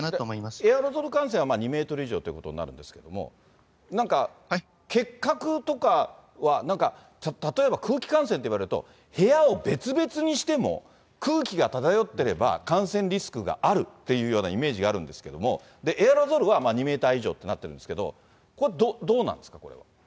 エアロゾル感染は２メートル以上ということになるんですけれども、なんか、結核とかは、なんか例えば空気感染といわれると、部屋を別々にしても、空気が漂ってれば感染リスクがあるっていうようなイメージがあるんですけれども、エアロゾルは２メーター以上となってるんですけど、これはどうなんですか、これは。